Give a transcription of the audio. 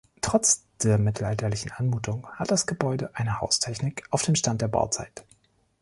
Trotz der mittelalterlichen Anmutung hat das Gebäude eine Haustechnik auf dem Stand der Bauzeit.